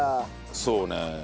そうね。